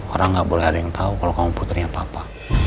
orang gak boleh ada yang tau kalau kamu puternya papa